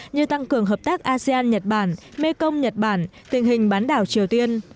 như tăng cường hợp tác asean nhật bản mekong nhật bản tình hình bán đảo triều tiên